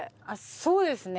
そうですね。